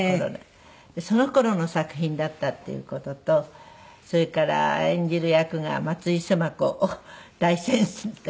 その頃の作品だったっていう事とそれから演じる役が松井須磨子大先輩と。